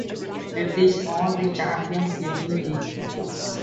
If these are the champions, gimme the cripples.